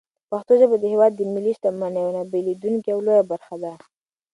پښتو ژبه د هېواد د ملي شتمنۍ یوه نه بېلېدونکې او لویه برخه ده.